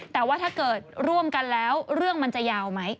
แต่ว่าถ้าเกิดร่วมกันแล้วเรื่องมันจะยาวไหม